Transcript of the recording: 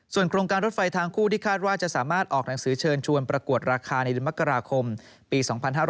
ส่วนโครงการรถไฟทางคู่ที่คาดว่าจะสามารถออกหนังสือเชิญชวนประกวดราคาในเดือนมกราคมปี๒๕๕๙